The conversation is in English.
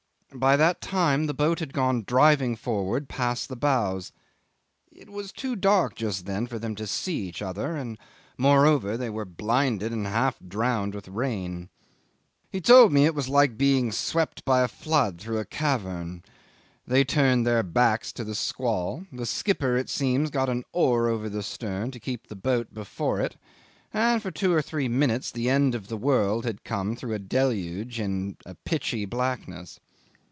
By that time the boat had gone driving forward past the bows. It was too dark just then for them to see each other, and, moreover, they were blinded and half drowned with rain. He told me it was like being swept by a flood through a cavern. They turned their backs to the squall; the skipper, it seems, got an oar over the stern to keep the boat before it, and for two or three minutes the end of the world had come through a deluge in a pitchy blackness.